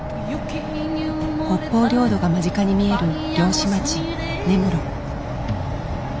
北方領土が間近に見える漁師町根室。